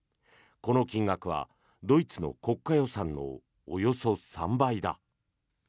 この金額はドイツの国家予算のおよそ３倍だ。